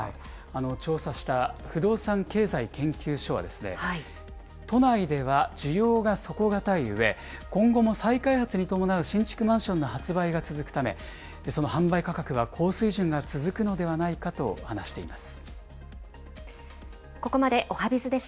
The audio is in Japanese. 調査した不動産経済研究所は都内では需要が底堅いうえ、今後も再開発に伴う新築マンションの発売が続くため、その販売価格は高水準が続くのではないかと話しています。